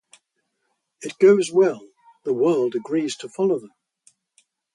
It goes well; the world agrees to follow them.